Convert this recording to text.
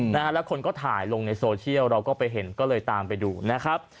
นะฮะแล้วคนก็ถ่ายลงในโซเชียลเราก็ไปเห็นก็เลยตามไปดูนะครับ